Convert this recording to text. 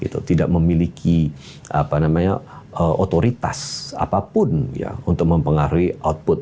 tidak memiliki otoritas apapun ya untuk mempengaruhi output